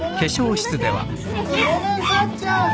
ごめん幸ちゃん。